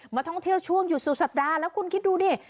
มาท่องเที่ยวช่วงอยู่สู่สัปดาห์แล้วคุณคิดดูเนี่ย